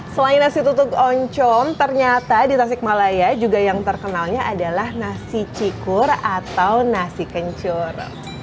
selain nasi tutuk oncom ternyata di tasik malaya juga yang terkenalnya adalah nasi cikur atau nasi kencur